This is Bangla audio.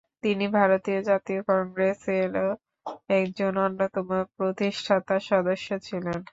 তিনি ভারতীয় জাতীয় কংগ্রেসেরও একজন অন্যতম প্রতিষ্ঠাতা-সদস্য ছিলেন।